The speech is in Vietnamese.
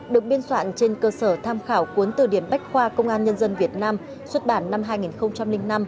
được biên soạn trên cơ sở tham khảo cuốn từ điểm bách khoa công an nhân dân việt nam xuất bản năm hai nghìn năm